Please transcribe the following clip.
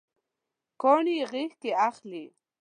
کاڼي یې غیږکې اخلي